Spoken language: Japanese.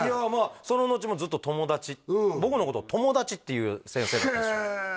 そののちもずっと友達僕のことを友達って言う先生なんですよ